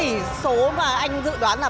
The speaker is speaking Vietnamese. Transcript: anh dự đoán là bao nhiêu